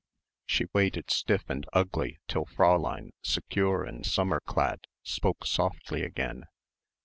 She waited stiff and ugly till Fräulein, secure and summer clad, spoke softly again.